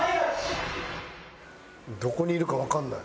どこにいるかわかんない。